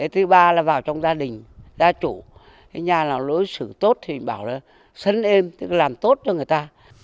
thứ ba là vào trong gia đình gia trụ cái nhà nào lối xử tốt thì bảo là sấn êm làm tốt cho người ta